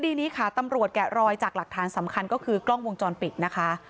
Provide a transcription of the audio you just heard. คดีนี้ค่ะตำรวจแกะรอยจากหลักฐานสำคัญก็คือกล้องวงจรปิดนะคะ